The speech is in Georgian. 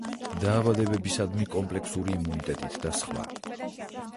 დაავადებებისადმი კომპლექსური იმუნიტეტით და სხვა.